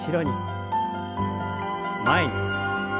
前に。